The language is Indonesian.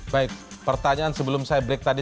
baik pertanyaan sebelum saya break tadi